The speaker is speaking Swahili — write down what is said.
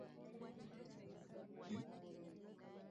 na habari leo yote kurasa zake za awali